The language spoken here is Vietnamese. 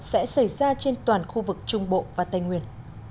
sẽ xảy ra trên toàn khu vực trung bộ và tây nguyên